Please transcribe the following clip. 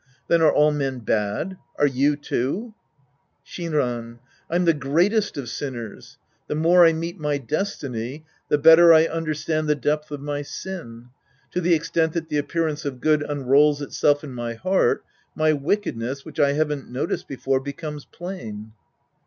Then are all men bad ? Are you, too ? Shinran. I'm the greatest of sinners. The more I meet my destiny, the better I understand the depth of my sin. To the extent that the appearance of good unrolls itself in ray heart, my wickedness, which I haven't noticed before, becomes plain.